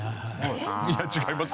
いや違います